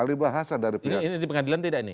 ini di pengadilan tidak ini